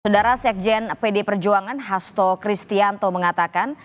saudara sekjen pd perjuangan hasto kristianto mengatakan